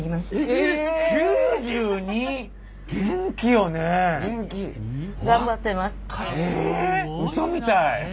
えうそみたい。